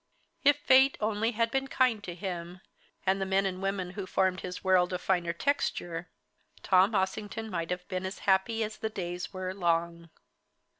If fate only had been kind to him, and the men and women who formed his world of finer texture, Tom Ossington might have been as happy as the days were long.